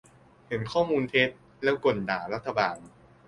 - เห็นข้อมูลเท็จ แล้วก่นด่ารัฐบาล